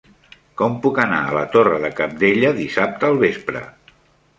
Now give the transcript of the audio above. Com puc anar a la Torre de Cabdella dissabte al vespre?